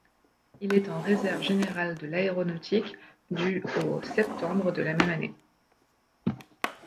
Il est en réserve générale de l'aéronautique du au septembre de la même année.